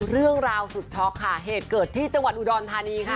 เรื่องราวสุดช็อกค่ะเหตุเกิดที่จังหวัดอุดรธานีค่ะ